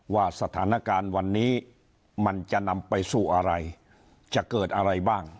ว่าสถานการณ์วันนี้มันจะนำไปสู่อะไรจะเกิดอะไรบ้าง